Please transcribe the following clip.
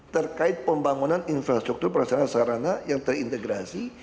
terkait pembangunan infrastruktur perasarana sarana yang terintegrasi